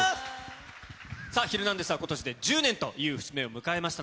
ヒルナンデス！はことしで１０年という節目を迎えました。